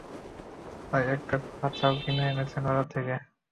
তাই একটা খাঁচাও কিনে এনেছেন বাজার থেকে।